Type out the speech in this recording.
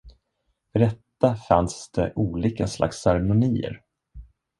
För detta fanns det olika slags ceremonier.